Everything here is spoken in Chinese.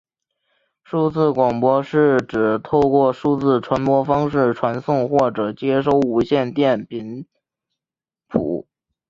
数字广播是指透过数字传播方式传送或者接收无线电频谱。